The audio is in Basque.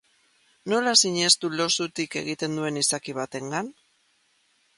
Nola sinestu lo zutik egiten duen izaki batengan?